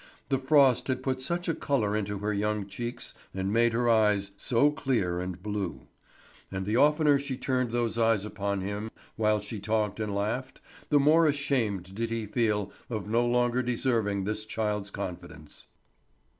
The frost had put such a colour into her young cheeks, and made her eyes so clear and blue; and the oftener she turned those eyes upon him while she talked and laughed the more ashamed did he feel of no longer deserving this child's confidence.